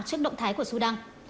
trước động thái của sudan